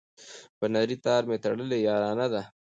په نري تار مي تړلې یارانه ده